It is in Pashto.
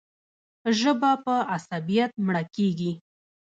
ژبه په عصبیت مړه کېږي.